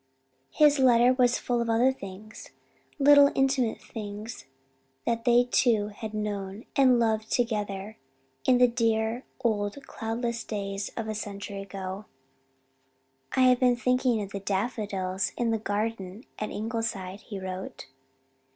His letter was full of other things little intimate things that they two had known and loved together in the dear old cloudless days of a century ago. "I've been thinking of the daffodils in the garden at Ingleside," he wrote.